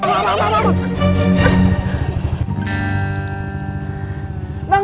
mampu mampu mampu